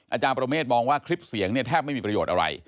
อาจารย์ประเมฆมองว่าคลิปเสียงเนี่ยแทบไม่มีประโยชน์อะไร